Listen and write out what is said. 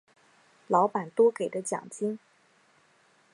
老板多给的奖金